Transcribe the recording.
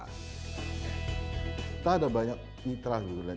kita ada banyak mitra gitu ya